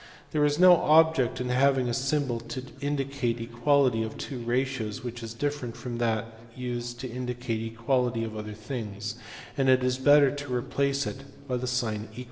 There is no object in having a symbol to indicate the equality of two ratios which is different from that used to indicate the equality of other things, and it is better to replace it by the sign =